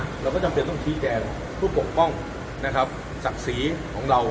เราก็จำเป็นต้องชี้แจงเพื่อปกป้องนะครับศักดิ์ศรีของเรา